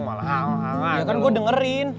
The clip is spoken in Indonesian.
ya kan gue dengerin